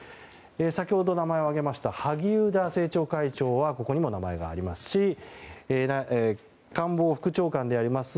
先ほど、名前を挙げた萩生田政調会長はここにも名前がありますし官房副長官であります